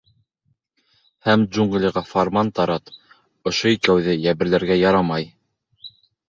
— Һәм джунглиға фарман тарат: ошо икәүҙе йәберләргә ярамай.